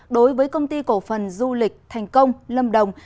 đối với công ty cổ phần du lịch thành công lâm đồng